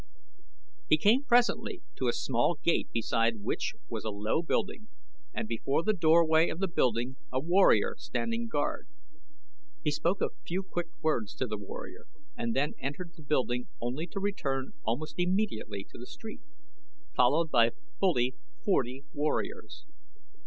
He came presently to a small gate beside which was a low building and before the doorway of the building a warrior standing guard. He spoke a few quick words to the warrior and then entered the building only to return almost immediately to the street, followed by fully forty warriors.